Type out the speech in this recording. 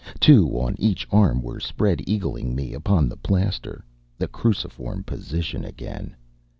Two on each arm were spread eagling me upon the plaster. The cruciform position again!